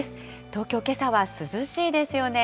東京、けさは涼しいですよね。